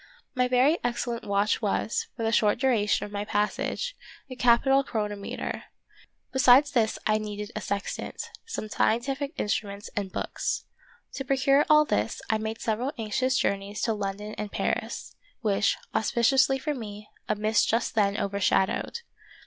My very excellent watch was, for the short duration of my passage, a capital chronometer. Besides this I needed a sextant, some scientific instruments and books. To procure all this, I made several anxious journeys to London and Paris, which, auspi ciously for me, a mist just then overshadowed.